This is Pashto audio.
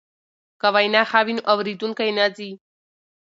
که وینا ښه وي نو اوریدونکی نه ځي.